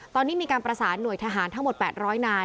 ตอนนี้มีการประสานหน่วยทหารทั้งหมด๘๐๐นาย